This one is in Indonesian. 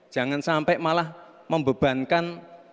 jangan sampai malah membebankan